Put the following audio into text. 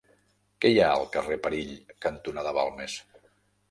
Què hi ha al carrer Perill cantonada Balmes?